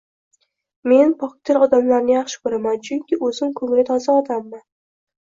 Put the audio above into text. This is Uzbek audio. Man pokdil odamlarni yaxshi ko`raman, chunki o`zim ko`ngli toza odamman